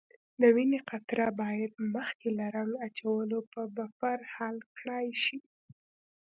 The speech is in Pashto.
د وینې قطره باید مخکې له رنګ اچولو په بفر حل کړای شي.